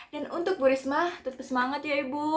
dan untuk bu risma tetap semangat ya ibu